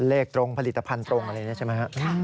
เลขตรงผลิตภัณฑ์ตรงอะไรอย่างนี้ใช่ไหมครับ